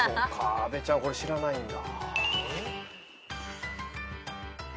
阿部ちゃんこれ知らないんだ。